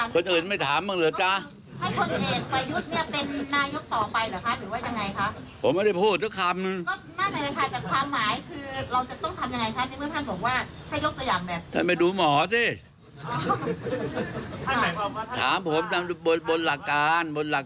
ใช่ไหมครับท่านแสดงว่าถ้ารัฐบาลชุดนี้มีการปกครองในลักษณะที่